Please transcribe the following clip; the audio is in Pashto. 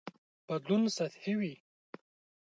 بدلون سطحي وي.